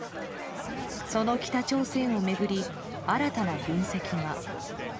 その北朝鮮を巡り、新たな分析が。